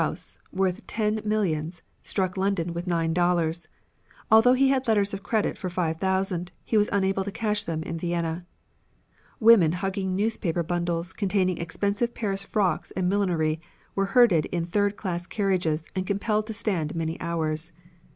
] Oscar Straus, worth ten millions, struck London with nine dollars. Although he had letters of credit for five thousand, he was unable to cash them in Vienna. Women hugging newspaper bundles containing expensive Paris frocks and millinery were herded in third class carriages and compelled to stand many hours.